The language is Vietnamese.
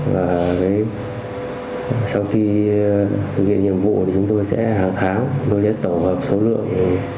và sau khi thực hiện nhiệm vụ chúng tôi sẽ hàng tháng tôi sẽ tổ hợp số lượng